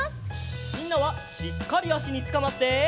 みんなはしっかりあしにつかまって！